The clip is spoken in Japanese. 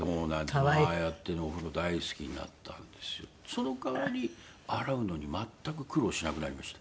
その代わり洗うのに全く苦労しなくなりました。